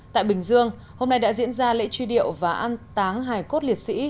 tại bình dương hôm nay đã diễn ra lễ truy điệu và an táng hài cốt liệt sĩ